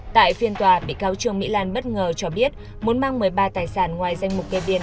tại phiên tòa bị cáo trương mỹ lan bất ngờ cho biết muốn mang một mươi ba tài sản ngoài danh mục kê biên